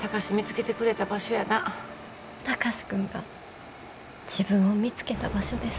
貴司君が自分を見つけた場所です。